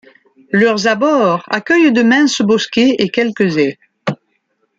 Leurs abords accueillent de minces bosquets et quelques haies.